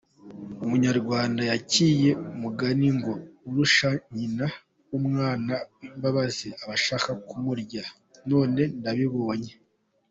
Umunyarwanda yaciye umugani “Ngo urusha nyina w’umwana imbabazi aba shaka kumurya “none ndabibonye.